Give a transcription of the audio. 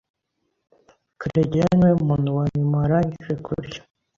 Karegeya niwe muntu wa nyuma warangije kurya.